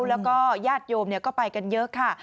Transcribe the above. แล้วก็ญาติโยมก็ไปกันเยอะค่ะ